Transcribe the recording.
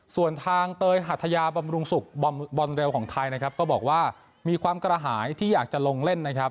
ส่วนทางเตยหัทยาบำรุงศุกร์บอลเร็วของไทยนะครับก็บอกว่ามีความกระหายที่อยากจะลงเล่นนะครับ